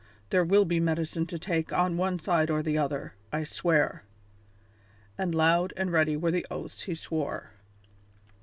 There will be medicine to take on one side or the other, I swear." And loud and ready were the oaths he swore.